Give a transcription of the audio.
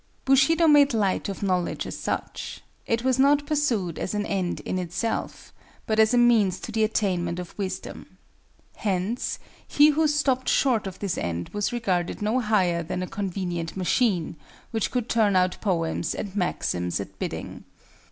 Bushido made light of knowledge as such. It was not pursued as an end in itself, but as a means to the attainment of wisdom. Hence, he who stopped short of this end was regarded no higher than a convenient machine, which could turn out poems and maxims at bidding.